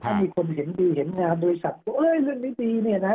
แต่ถ้ามีคนเห็นดีเห็นงามบริษัทว่าเรื่องนี้ดีเนี่ยนะฮะ